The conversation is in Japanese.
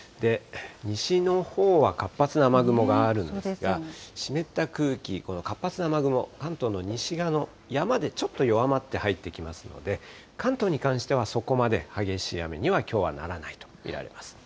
西のほうは活発な雨雲があるんですが、湿った空気、この活発な雨雲、関東の西側の山でちょっと弱まって入ってきますので、関東に関してはそこまで激しい雨にはきょうはならないと見られます。